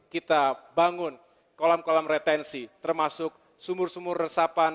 kita bangun kolam kolam retensi termasuk sumur sumur resapan